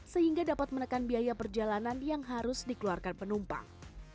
sehingga dapat menekan biaya perjalanan yang harus dikeluarkan penumpang